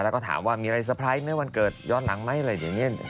แล้วก็ถามว่ามีอะไรเซอร์ไพรส์ไหมวันเกิดย้อนหลังไหมอะไรอย่างนี้